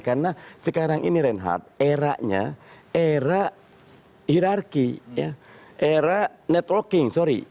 karena sekarang ini reinhardt eranya era hirarki era networking sorry